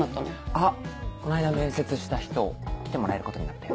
あこの間面接した人来てもらえることになったよ。